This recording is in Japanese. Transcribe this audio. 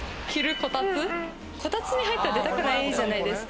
コタツに入ったら出たくないじゃないですか。